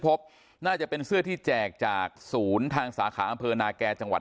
พบน่าจะเป็นเสื้อที่แจกจากศูนย์ทางสาขาอำเภอนาแก่จังหวัด